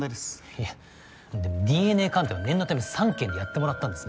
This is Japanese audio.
いやでもＤＮＡ鑑定は念のために３軒でやってもらったんです。